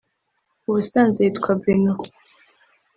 ubusanzwe yitwa ‘Bruno’